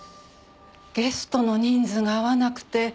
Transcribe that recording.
ゲストの人数が合わなくて。